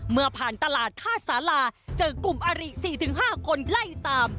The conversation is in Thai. เมื่อผ่านตลาดท่าสาราเจอกลุ่มอาริ๔๕คนไล่ตาม